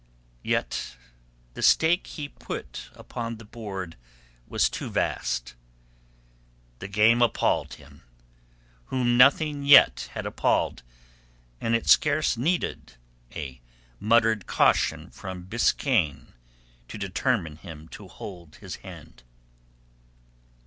Yet the stake he put upon the board was too vast. The game appalled him, whom nothing yet had appalled, and it scarce needed a muttered caution from Biskaine to determine him to hold his hand.